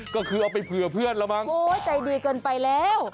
ก็คือเอาไปเผื่อเพื่อนละมั้งโอ้ยใจดีเกินไปแล้ว